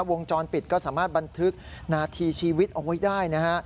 วงจรปิดก็สามารถบันทึกนาทีชีวิตเอาไว้ได้นะฮะ